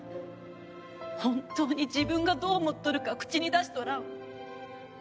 本当に自分がどう思っとるか口に出しとらん。